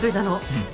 うん。